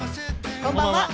こんばんは。